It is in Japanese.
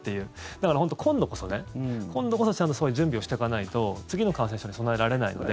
だから本当、今度こそね今度こそちゃんとそういう準備をしておかないと次の感染症に備えられないので。